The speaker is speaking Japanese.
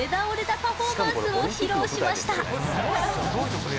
パフォーマンスを披露しました。